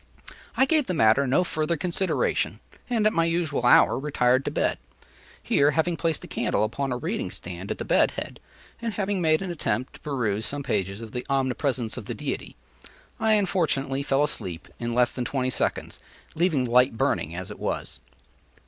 ” I gave the matter no further consideration, and at my usual hour retired to bed. Here, having placed a candle upon a reading stand at the bed head, and having made an attempt to peruse some pages of the “Omnipresence of the Deity,” I unfortunately fell asleep in less than twenty seconds, leaving the light burning as it was.